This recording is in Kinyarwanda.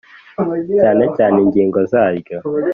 cyane cyane ingingo zaryo